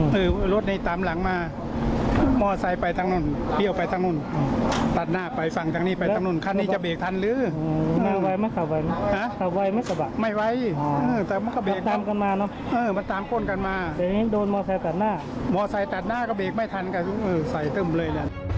พอใส่ตัดหน้าก็เบคไม่ทันใส่ตึ่มเลย